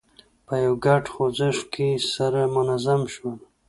په یوه ګډ خوځښت کې سره منظم شول.